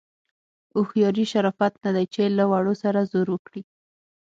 هوښیاري شرافت نه دی چې له وړو سره زور وکړي.